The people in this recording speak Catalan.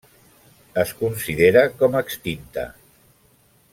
Es considera com extinta.